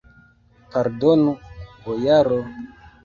Pardonu, bojaro!